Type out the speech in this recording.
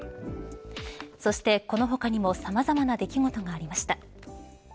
そしてこの他にもさまざまな出来事がありました。